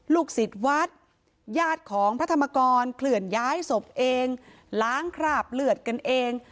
ลูกศิษย์วัดญาติของพระธรรมกรเคลื่อนย้ายศพเองล้างคราบเลือดกันเอง